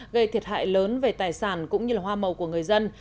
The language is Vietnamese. gây thiệt hại lớn về tài sản cũng như hoa màu của người dân